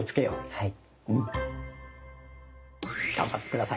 はい。